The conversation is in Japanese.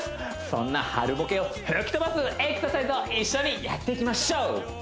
そんな春ボケを吹き飛ばすエクササイズを一緒にやっていきましょう！